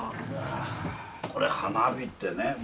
これ花火ってね